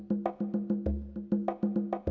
sebaiknya istirahat aja dulu ya